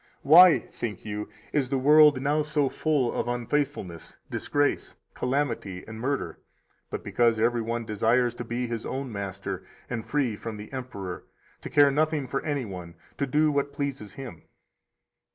154 Why, think you, is the world now so full of unfaithfulness, disgrace, calamity, and murder, but because every one desires to be his own master and free from the emperor, to care nothing for any one, and do what pleases him?